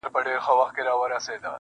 او د ټولنې پر ضمير اوږد سيوری پرېږدي,